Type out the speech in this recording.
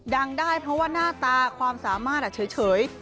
ได้เพราะว่าหน้าตาความสามารถเฉย